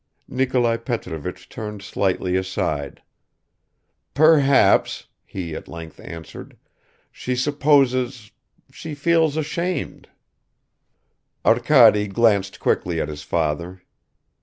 Nikolai Petrovich turned slightly aside. "Perhaps," he at length answered, "she supposes ... she feels ashamed." Arkady glanced quickly at his father.